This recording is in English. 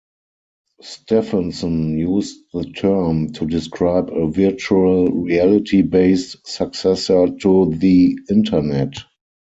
Stephenson used the term to describe a virtual reality-based successor to the Internet.